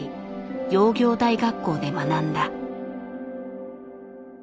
窯業大学校で学んだ。